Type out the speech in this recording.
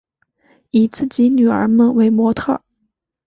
以自己女儿们为模特儿